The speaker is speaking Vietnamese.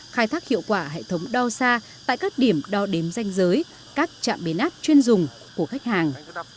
khai thác hiệu quả hệ thống đo xa tại các điểm đo đếm danh giới các trạm biến áp chuyên dùng của khách hàng